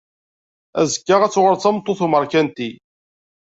Azekka ad tuɣaleḍ d tameṭṭut n umarkanti.